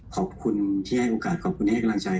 ขอบคุณที่ให้โอกาสขอบคุณให้กำลังใจ